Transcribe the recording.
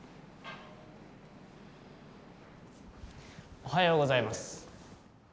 おはようございます。